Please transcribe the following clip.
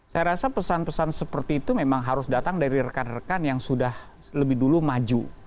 saya rasa pesan pesan seperti itu memang harus datang dari rekan rekan yang sudah lebih dulu maju